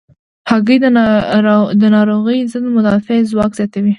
هګۍ د ناروغیو ضد مدافع ځواک زیاتوي.